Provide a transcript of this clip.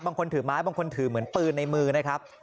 ถือไม้บางคนถือเหมือนปืนในมือนะครับ